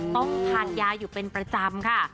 ต้องทานยาอยู่เป็นประจำค่ะ